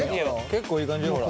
結構いい感じよほら。